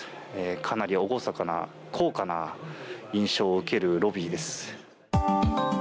かなり厳かな高価な印象を受けるロビーです。